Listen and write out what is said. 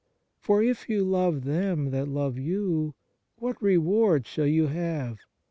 For if you love them that love you, what re ward shall you have ?